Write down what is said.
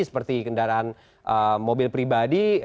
seperti kendaraan mobil pribadi